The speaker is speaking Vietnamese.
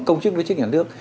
công chức đối chức nhà nước